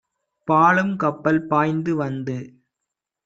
பாழும் கப்பல் பாய்ந்து வந்து